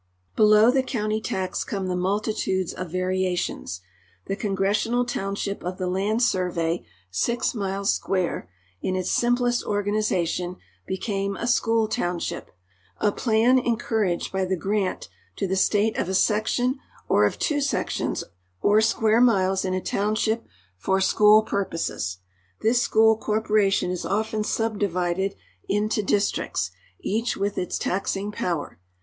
Below the county tax come the multitudes of variations. The congre.ssional township of the land survey, six miles square, in its simplest organization became a school township — a })lan en couraged by the grant to the state of a section or of two sections or square miles in a townshi|) for school purposes. This school corporation is often subdivided into districts, each with its ta.x ing })Ower.